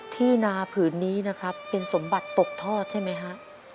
ที่นาผืนนี้นะครับเป็นสมบัติตกทอดใช่ไหมฮะ